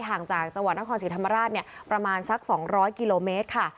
ห่างจากจังหวัดนครศรีธรรมราชประมาณสัก๒๐๐กิโลเมตรค่ะ